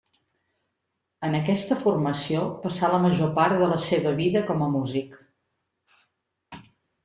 En aquesta formació passà la major part de la seva vida com a músic.